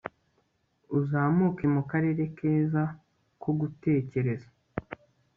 Uzamuke mu karere keza ko gutekereza